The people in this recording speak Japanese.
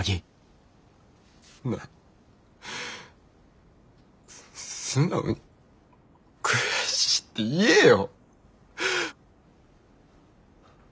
なあ素直に悔しいって言えよ。